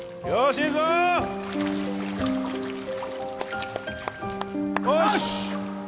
よし！